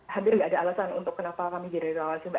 hampir tidak ada alasan untuk kenapa kami jadi relawan sih mbak